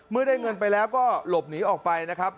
เมื่อได้เงินไปแล้วก็หลบหนีออกไปนะครับ